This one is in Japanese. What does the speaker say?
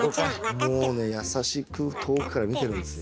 もうね優しく遠くから見てるんですよ。